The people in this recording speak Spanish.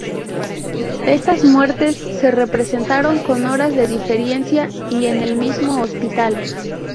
Estas muertes se presentaron con horas de diferencia y en el mismo hospital.